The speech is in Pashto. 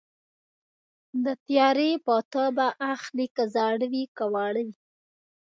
د تیارې پاتا به اخلي که زاړه وي که واړه وي